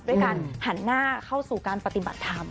ด้วยการหันหน้าเข้าสู่การปฏิบัติธรรม